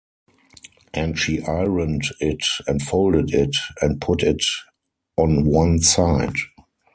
And she ironed it and folded it, and put it on one side.